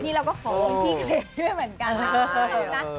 นี่เราก็ขอบุญที่เลขด้วยเหมือนกันนะคุณผู้ชมนะ